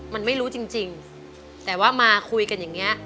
มันไม่รู้จริงแต่ว่ามาคุยกันอย่างนี้